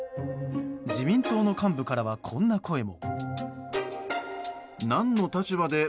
自民党の幹部からはこんな声も。